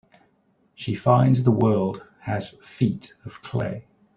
She finds the world has feet of clay.